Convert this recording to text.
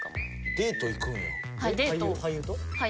デート行くんや。